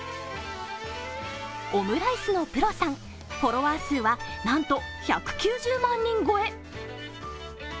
オムライスのプロさん、フォロワー数はなんと１９０万人超え。